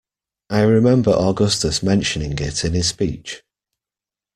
I remember Augustus mentioning it in his speech.